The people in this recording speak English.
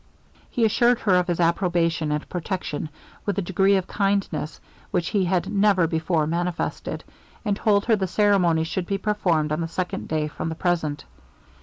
He assured her of his approbation and protection, with a degree of kindness which he had never before manifested, and told her the ceremony should be performed on the second day from the present.